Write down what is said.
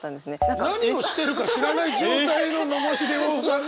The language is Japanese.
何をしてるか知らない状態の野茂英雄さんの。